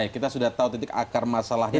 kita sudah tahu titik akar masalahnya